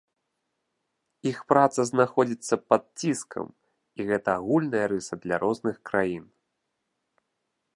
Іх праца знаходзіцца пад ціскам, і гэта агульная рыса для розных краін.